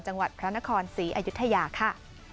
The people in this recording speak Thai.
จังหวัดพระนครศรีอยุธยาค่ะ